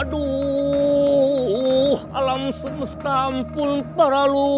aduh alam semesta pun perlalu